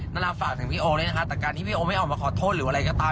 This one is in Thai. นาราฝากถึงพี่โอด้วยนะคะแต่การที่พี่โอไม่ออกมาขอโทษหรืออะไรก็ตาม